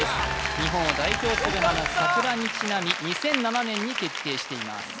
日本を代表する花さくらにちなみ２００７年に決定しています